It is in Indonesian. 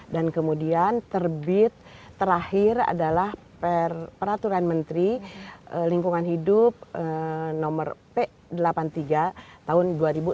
kemudian terbit terakhir adalah peraturan menteri lingkungan hidup nomor p delapan puluh tiga tahun dua ribu enam belas